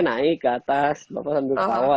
naik ke atas bapak sambil ketawa